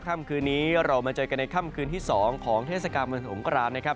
ค่ำคืนนี้เรามาเจอกันในค่ำคืนที่๒ของเทศกาลวันสงครามนะครับ